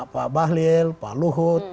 pak bahlil pak luhut